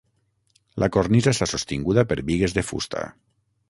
La cornisa està sostinguda per bigues de fusta.